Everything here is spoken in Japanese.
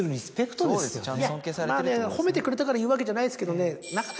いやまぁね褒めてくれたから言うわけじゃないですけどね。